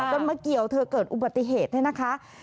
ต้นเมื่อเกี่ยวเธอเกิดอุบัติเหตุนะค่ะ